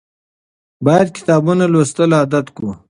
باید کتابونه لوستل عادت کړو.